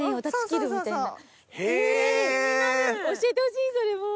教えてほしいそれも！